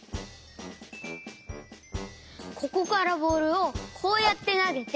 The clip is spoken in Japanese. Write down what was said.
ここからボールをこうやってなげて。